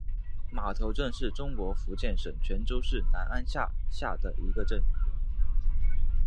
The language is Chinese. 码头镇是中国福建省泉州市南安市下辖的一个镇。